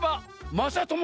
まさとも！